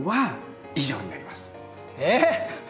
えっ！